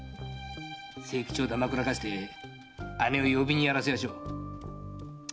清吉を騙くらかして姉を呼びにやらせましょう。